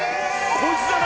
こいつだな！